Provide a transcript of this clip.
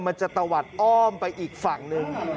มันจะตวัดอ้อมไปอีกฝั่งนึง